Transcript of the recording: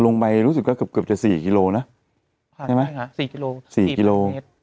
ลงไปรู้สึกก็เกือบเกือบจะสี่กิโลนะใช่ไหมฮะ๔กิโล